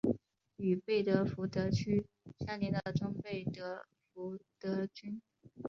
与贝德福德区相邻的中贝德福德郡。